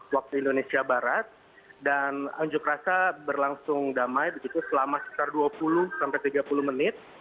waktu indonesia barat dan unjuk rasa berlangsung damai begitu selama sekitar dua puluh sampai tiga puluh menit